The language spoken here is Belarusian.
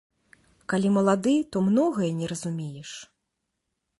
Калі малады, то многае не разумееш.